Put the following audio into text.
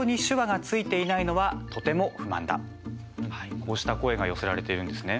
こうした声が寄せられているんですね。